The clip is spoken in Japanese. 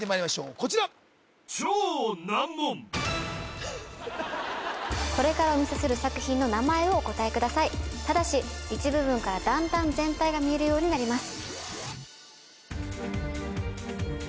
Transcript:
こちらこれからお見せする作品の名前をお答えくださいただし一部分から段々全体が見えるようになります